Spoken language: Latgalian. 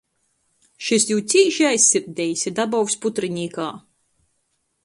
Šys jū cīši aizsirdejs i dabovs putrinīkā.